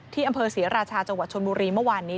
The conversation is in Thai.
ที่อำเภอศรีราชาจังหวัดชนบุรีเมื่อวานนี้